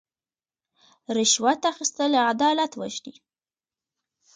رشوت اخیستل عدالت وژني.